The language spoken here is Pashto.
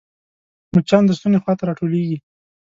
مچان د ستوني خوا ته راټولېږي